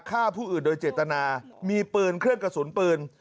ฆ่าผู้อื่นโดยเจตนามีปืนเครื่องกระสุนปืน